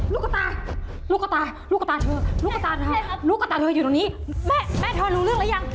ลูกกระตาลูกกระตาเลือกอยู่ตรงนี้แม่ชอบคุณรู้เรื่องแล้วยัง